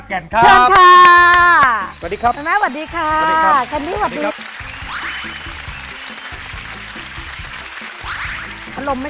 แต่คนไม่มา